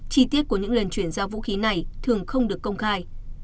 chi tiết của những lần chuyển giao vũ khí này thường không được công khai